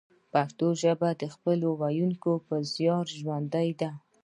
پښتو ژبه د خپلو ویونکو په زیار ژوندۍ ده